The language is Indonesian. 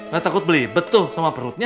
gak takut belibet tuh sama perutnya